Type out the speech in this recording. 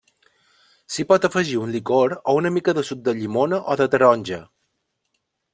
S'hi pot afegir un licor o una mica de suc de llimona o de taronja.